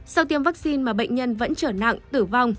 sau tiêm vaccine mà bệnh nhân vẫn trở nặng tử vong